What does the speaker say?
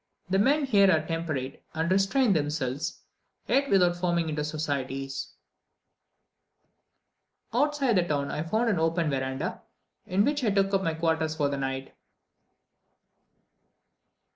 The men here are temperate, and restrain themselves, yet without forming into societies. Outside the town I found an open verandah, in which I took up my quarters for the night.